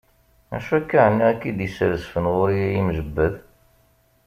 Acu akka ɛni ay k-id-isrezfen ɣur-i ay imjeddeb?